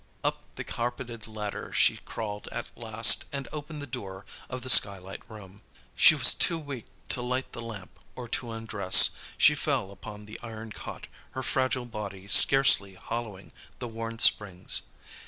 Up the carpeted ladder she crawled at last and opened the door of the skylight room. She was too weak to light the lamp or to undress. She fell upon the iron cot, her fragile body scarcely hollowing the worn springs.